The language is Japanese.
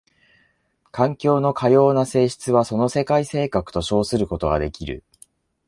環境のかような性質はその世界性格と称することができる。